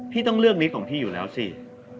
พี่ต้องเลือกนิตของพี่อยู่แล้วสิ